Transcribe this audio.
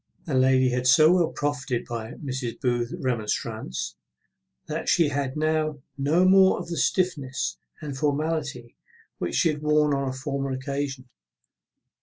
The lady had so well profited by Mrs. Booth's remonstrance, that she had now no more of that stiffness and formality which she had worn on a former occasion.